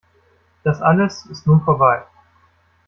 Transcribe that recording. Das alles ist nun vorbei.